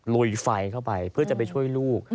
ลุยไฟเข้าไปเพื่อจะไปช่วยลูก